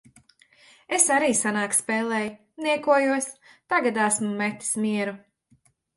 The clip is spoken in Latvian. Es arī senāk spēlēju. Niekojos. Tagad esmu metis mieru.